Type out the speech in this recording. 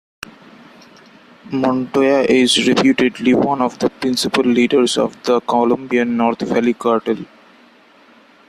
Montoya is reputedly one of the principal leaders of the Colombian North Valley cartel.